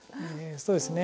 そうですね。